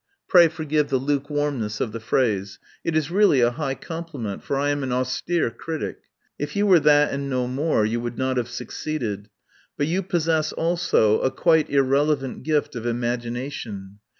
Pray forgive the lukewarmness of the phrase; it is really a high compliment, for I am an austere critic. If you were that and no more you would not have succeeded. But you possess also a quite irrelevant gift of imagina tion.